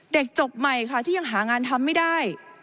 จบใหม่ค่ะที่ยังหางานทำไม่ได้